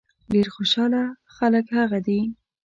ډېر خوشاله خلک هغه دي.